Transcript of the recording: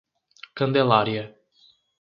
Candelária